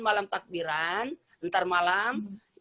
malam takbiran ntar malam